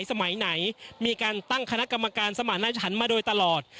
สมัยไหนมีการตั้งคณะกรรมการสมานาชันมาโดยตลอด